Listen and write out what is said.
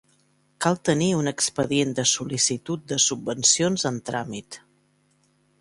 Cal tenir un expedient de sol·licitud de subvencions en tràmit.